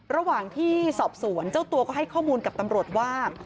ระหว่างที่สอบสวนเจ้าตัวก็ให้ข้อมูลกับตำรวจว่า